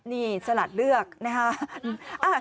นี่สลัดเลือกนะครับ